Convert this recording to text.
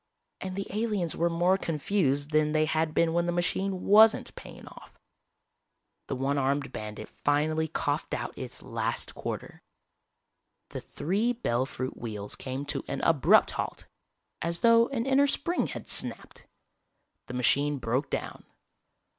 And the aliens were more confused than they had been when the machine wasn't paying off. The one armed bandit finally coughed out its last quarter. The three Bell Fruit wheels came to an abrupt halt, as though an inner spring had snapped. The machine broke down.